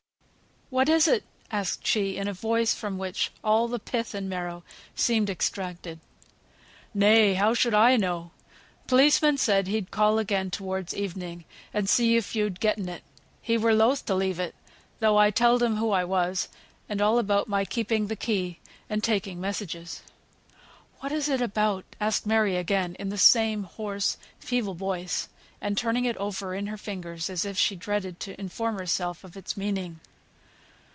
"What is it?" asked she, in a voice from which all the pith and marrow of strength seemed extracted. "Nay! how should I know? Policeman said he'd call again towards evening, and see if you'd getten it. He were loth to leave it, though I telled him who I was, and all about my keeping th' key, and taking messages." "What is it about?" asked Mary again, in the same hoarse, feeble voice, and turning it over in her fingers, as if she dreaded to inform herself of its meaning.